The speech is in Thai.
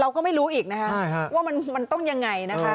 เราก็ไม่รู้อีกนะคะว่ามันต้องยังไงนะคะ